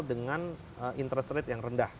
dengan interest rate yang rendah